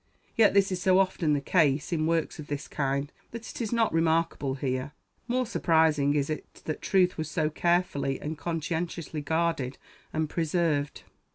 Yet this is so often the case in works of this kind, that it is not remarkable here. More surprising is it that truth was so carefully and conscientiously guarded and preserved.